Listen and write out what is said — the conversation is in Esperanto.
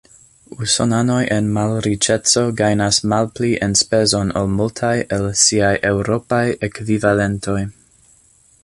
Usonanoj en malriĉeco gajnas malpli enspezon ol multaj el siaj eŭropaj ekvivalentoj.